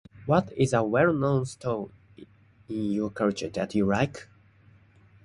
What is a well-known story in your culture that you like?